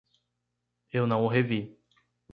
Eu não o revi.